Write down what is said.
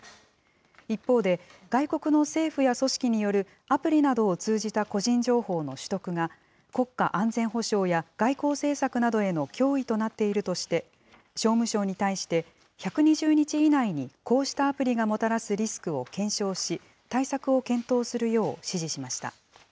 一方で、外国の政府や組織によるアプリなどを通じた個人情報の取得が、国家安全保障や外交政策などへの脅威となっているとして、商務省に対して１２０日以内に、こうしたアプリがもたらすリスクを検証し、対策を検討するよう指示しました。